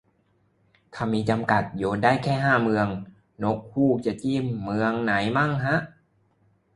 ถ้ามีจำกัด โยนได้แค่ห้าเมือง นกฮูกจะจิ้มเมืองไหนมั่งฮะ